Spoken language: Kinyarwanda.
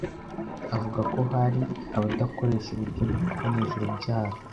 avuga ko hari abadakoresha uburyo bwo kuboneza urubyaro